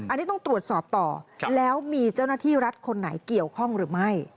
อันนี้ต้องตรวจสอบต่อแล้วมีเจ้าหน้าที่รัฐคนไหนเกี่ยวข้องหรือไม่